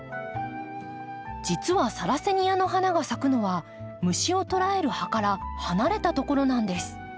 実はサラセニアの花が咲くのは虫を捕らえる葉から離れたところなんです。